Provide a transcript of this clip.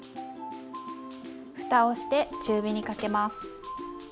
ふたをして中火にかけます。